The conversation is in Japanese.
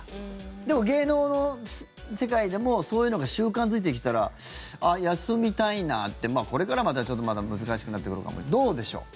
でも、芸能の世界でもそういうのが習慣付いてきたら休みたいなってこれからは、またちょっと難しくなってくるかもですがどうでしょう。